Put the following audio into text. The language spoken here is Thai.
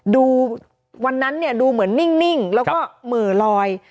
ดูวันนั้นเนี่ยดูเหมือนนิ่งแล้วก็เหม่อลอย